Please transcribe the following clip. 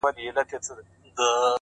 هره تېروتنه د پوهېدو فرصت لري؛